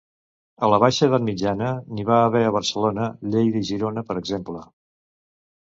A la Baixa edat mitjana, n'hi va haver a Barcelona, Lleida i Girona, per exemple.